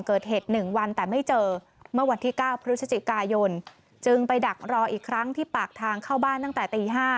เกิดเหตุ๑วันแต่ไม่เจอเมื่อวันที่๙พฤศจิกายนจึงไปดักรออีกครั้งที่ปากทางเข้าบ้านตั้งแต่ตี๕